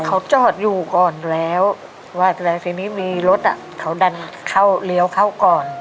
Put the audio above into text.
เขาจอดอยู่ก่อนแล้วว่าแต่ทีนี้มีรถอ่ะเขาดันเข้าเลี้ยวเข้าก่อน